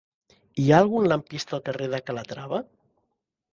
Hi ha algun lampista al carrer de Calatrava?